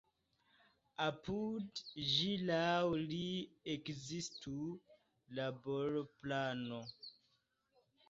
Apud ĝi laŭ li ekzistu laborplano.